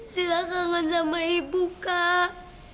silahkan sama ibu kak